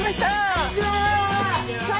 こんにちは！